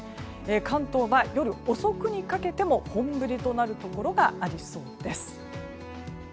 関東は夜遅くにかけても本降りとなるところがありそうです。